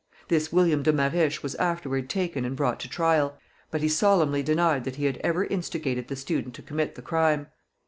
This William de Marish was afterward taken and brought to trial, but he solemnly denied that he had ever instigated the student to commit the crime.